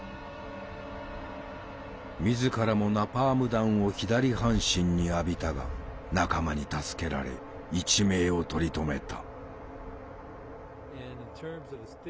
自らもナパーム弾を左半身に浴びたが仲間に助けられ一命を取り留めた。